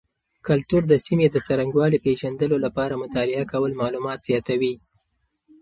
کلتور د سیمې د څرنګوالي پیژندلو لپاره مطالعه کول معلومات زیاتوي.